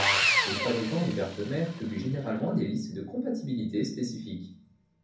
Les fabricants de cartes-mères publient généralement des listes de compatibilité spécifiques.